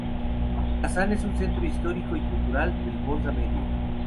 Kazán es un centro histórico y cultural del Volga medio.